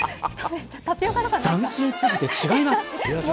斬新すぎて、違います。